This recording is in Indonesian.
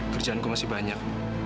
kerjaanku masih banyak